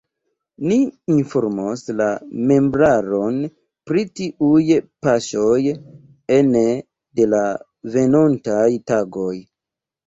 Ni informos la membraron pri tiuj paŝoj ene de la venontaj tagoj.